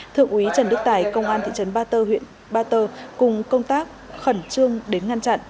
thượng úy trần đức tài công an thị trấn ba tơ huyện ba tơ cùng công tác khẩn trương đến ngăn chặn